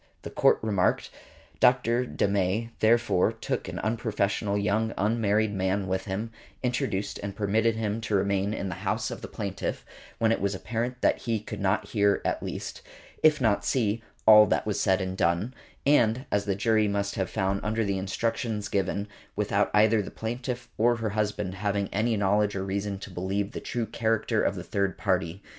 The Court remarked: "Dr. De May therefore took an unprofessional young unmarried man with him, introduced and permitted him to remain in the house of the plaintiff, when it was apparent that he could hear at least, |145| if not see, all that was said and done, and, as the jury must have found under the instructions given, without either the plaintiff or her husband having any knowledge or reason to believe the true character of the third party.